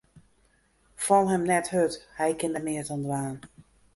Fal him net hurd, hy kin der neat oan dwaan.